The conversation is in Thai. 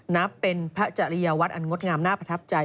นับเป็นพระจริยวัตรอันงดงามน่าประทับใจ